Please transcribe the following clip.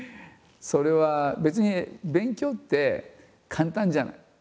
それは別に勉強って簡単じゃない？